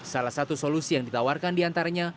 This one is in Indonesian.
salah satu solusi yang ditawarkan diantaranya